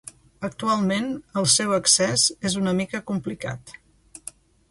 Actualment el seu accés és una mica complicat.